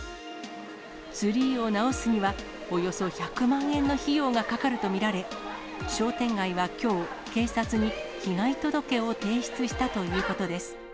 ツリーを直すには、およそ１００万円の費用がかかると見られ、商店街はきょう、警察に被害届を提出したということです。